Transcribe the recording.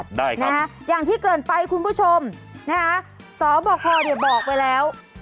ได้นะฮะอย่างที่เกินไปคุณผู้ชมนะคะสบคเนี่ยบอกไปแล้ว